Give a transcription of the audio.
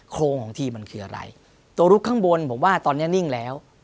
โครงของทีมมันคืออะไรตัวลุกข้างบนผมว่าตอนนี้นิ่งแล้ว